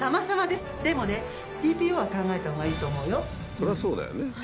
そりゃあそうだよね。